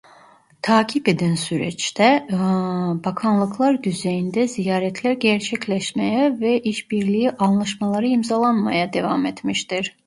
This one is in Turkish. Takip eden süreçte bakanlıklar düzeyinde ziyaretler gerçekleşmeye ve iş birliği anlaşmaları imzalanmaya devam etmiştir.